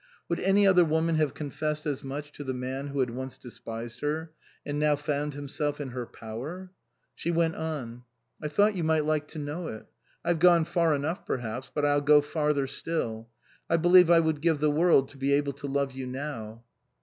Would any other woman have confessed as much to the man who had once despised her, and now found himself in her power ? She went on. " I thought you might like to know it. I've gone far enough, perhaps ; but I'll go farther still. I believe I would give the world to be able to love you now."